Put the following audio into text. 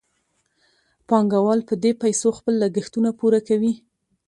پانګوال په دې پیسو خپل لګښتونه پوره کوي